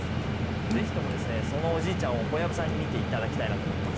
ぜひともそのおじいちゃんを小籔さんに見ていただきたいなと思います。